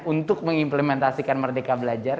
untuk mengimplementasikan merdeka belajar